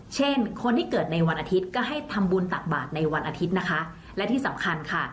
เช่นคนที่เกิดในวันอาทิตย์ก็ให้ทำบุญตักบาทในวันอาทิตย์นะคะและที่สำคัญค่ะ